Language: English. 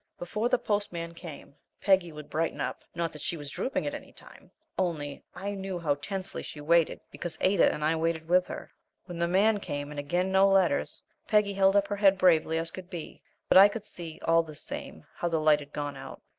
Before the postman came Peggy would brighten up; not that she was drooping at any time, only I knew how tensely she waited, because Ada and I waited with her. When the man came, and again no letters, Peggy held up her head bravely as could be, but I could see, all the same, how the light had gone out.